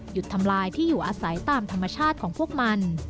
ทำลายที่อยู่อาศัยตามธรรมชาติของพวกมัน